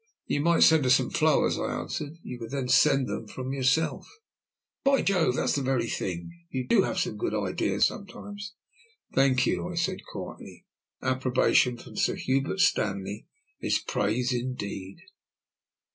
"You might send her some flowers," I answered. "You could then send them from yourself." "By Jove, that's the very thing. You do have some good ideas sometimes." "Thank you," I said quietly. "Approbation from Sir Hubert Stanley is praise indeed."